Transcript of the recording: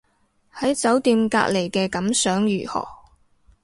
喺酒店隔離嘅感想如何